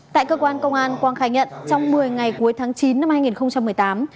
tại cơ quan công an quang khai nhận trong một mươi ngày cuối tháng chín năm hai nghìn một mươi tám